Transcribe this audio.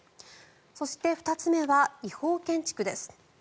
そして２つ目は違法建築です。